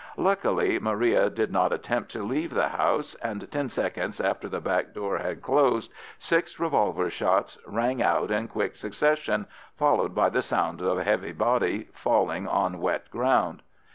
Luckily Maria did not attempt to leave the house, and ten seconds after the back door had closed, six revolver shots rang out in quick succession, followed by the sound of a heavy body falling on wet ground.